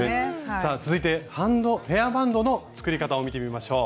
さあ続いてヘアバンドの作り方を見てみましょう。